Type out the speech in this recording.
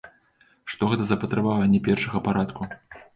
Што гэта за патрабаванні першага парадку?